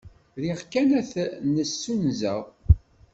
Riɣ kan ad t-nessunzeɣ.